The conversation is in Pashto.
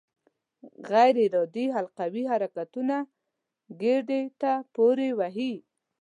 غیر ارادي حلقوي حرکتونه ګېډې ته پورې وهي.